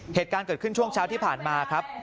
เหตุการณ์เกิดขึ้นช่วงเช้าที่ผ่านมาครับ